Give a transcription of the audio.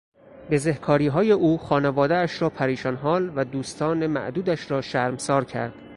بزهکاریهای او خانوادهاش را پریشان حال و دوستان معدودش را شرمسار کرد.